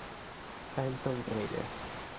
Phantom Raiders